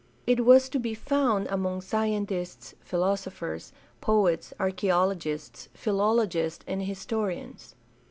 It was to be found among scientists, philosophers, poets, archaeologists, philolo gists, and historians.